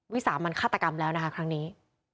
สามัญฆาตกรรมแล้วนะคะครั้งนี้